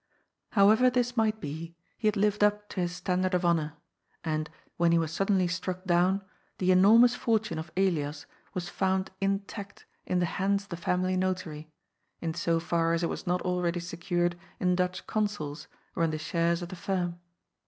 Howeyer this might be, he had lived up to his standard of honour ; and, when he was suddenly struck down, the enormous fortune of Elias was found intact in the hands of the family notary, in so far as it was not already secured in Dutch consols or in the shares of the firm.